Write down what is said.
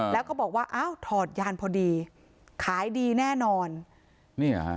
แล้วก็บอกว่าอ้าวถอดยานพอดีขายดีแน่นอนเนี่ยฮะ